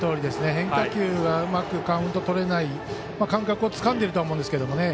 変化球がうまくカウントとれない感覚をつかんでいるとは思うんですけど。